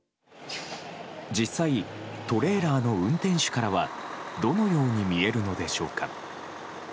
実際、トレーラーの運転手からはどのように見えるのでしょうか。